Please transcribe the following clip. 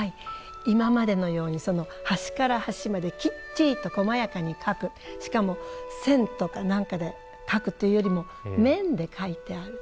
今までのように端から端まできっちりとこまやかに描くしかも線とか何かで描くというよりも面で描いてある。